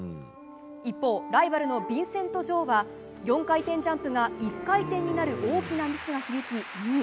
一方、ライバルのヴィンセント・ジョウは４回転ジャンプが１回転になる大きなミスが響き、２位。